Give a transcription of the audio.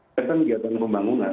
kita kegiatan pembangunan